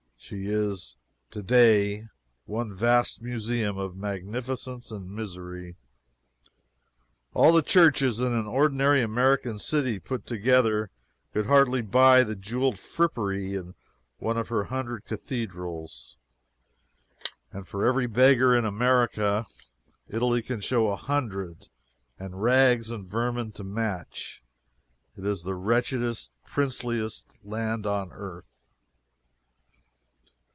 She is to day one vast museum of magnificence and misery. All the churches in an ordinary American city put together could hardly buy the jeweled frippery in one of her hundred cathedrals. And for every beggar in America, Italy can show a hundred and rags and vermin to match. It is the wretchedest, princeliest land on earth.